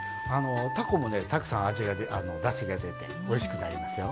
たこもねたくさんだしが出ておいしくなりますよ。